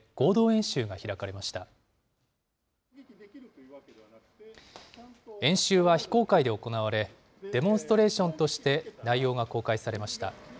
演習は非公開で行われ、デモンストレーションとして内容が公開されました。